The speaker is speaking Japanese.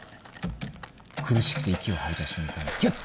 苦しくて息を吐いた瞬間ギュッと締める。